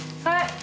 はい。